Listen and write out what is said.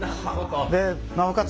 でなおかつ